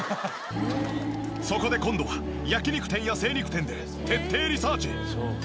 そこで今度は焼き肉店や精肉店で徹底リサーチ。